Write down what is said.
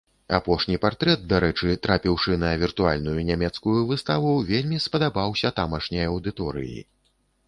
Апошні партрэт, дарэчы, трапіўшы на віртуальную нямецкую выставу, вельмі спадабаўся тамашняй аўдыторыі.